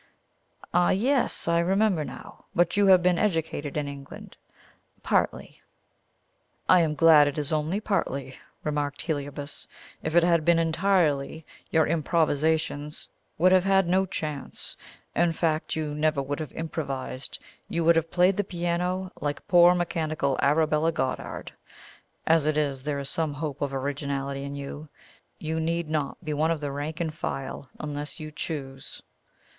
"Ah, yes! I remember now. But you have been educated in England?" "Partly." "I am glad it is only partly," remarked Heliobas. "If it had been entirely, your improvisations would have had no chance. In fact you never would have improvised. You would have played the piano like poor mechanical Arabella Goddard. As it is, there is some hope of originality in you you need not be one of the rank and file unless you choose."